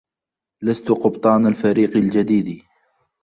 لست قبطان الفريق الجديد.